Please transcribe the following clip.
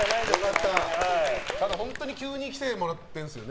ただ本当に急に来てもらってるんですよね。